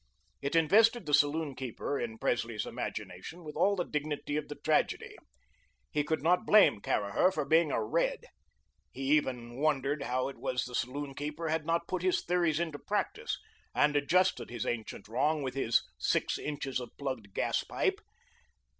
It invested the saloon keeper, in Presley's imagination, with all the dignity of the tragedy. He could not blame Caraher for being a "red." He even wondered how it was the saloon keeper had not put his theories into practice, and adjusted his ancient wrong with his "six inches of plugged gas pipe."